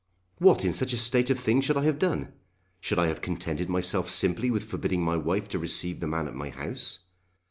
What in such a state of things should I have done? Should I have contented myself simply with forbidding my wife to receive the man at my house?